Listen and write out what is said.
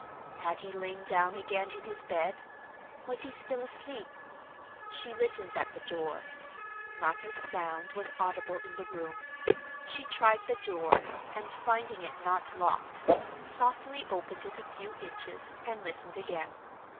Had he lain down again in his bed? Was he still asleep? She listened at the door. Not a sound was audible in the room. She tried the door, and, finding it not locked, softly opened it a few inches and listened again.